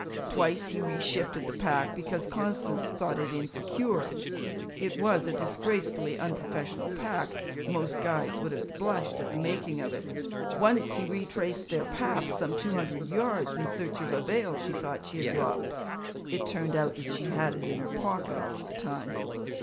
Twice he reshifted the pack because Constance thought it insecure (it was a disgracefully unprofessional pack; most guides would have blushed at the making of it); once he retraced their path some two hundred yards in search of a veil she thought she had dropped it turned out that she had had it in her pocket all of the time.